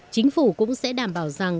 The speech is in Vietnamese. chính phủ cũng sẽ đảm bảo rằng